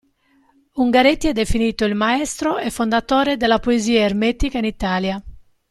Ungaretti è definito il maestro e fondatore della poesia Ermetica in Italia.